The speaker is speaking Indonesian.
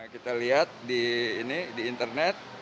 kita lihat di internet